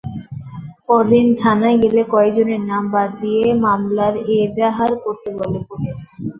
পরদিন থানায় গেলে কয়েকজনের নাম বাদ দিয়ে মামলার এজাহার করতে বলে পুলিশ।